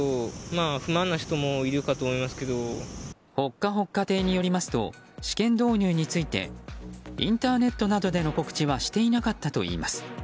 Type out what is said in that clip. ほっかほっか亭によりますと試験導入についてインターネットでの告知はしていなかったといいます。